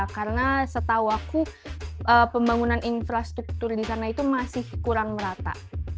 karena setahu aku pembangunan infrastruktur di sana itu masih kurang merata